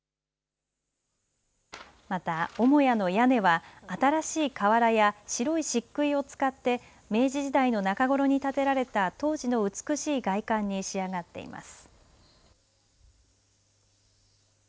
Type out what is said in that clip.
また母屋の屋根は新しい瓦や白いしっくいを使って明治時代の中頃に建てられた当時の美しい外観に仕上がっています。